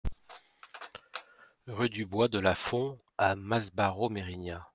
Rue du Bois de la Font à Masbaraud-Mérignat